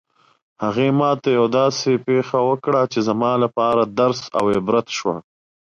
هغې ما ته یوه داسې پېښه وکړه چې زما لپاره درس او عبرت شوه